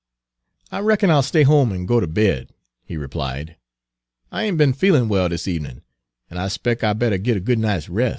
"I reckon I'll stay home an' go ter bed," he replied. "I ain't be'n feelin' well dis evenin', an' I 'spec' I better git a good night's res'."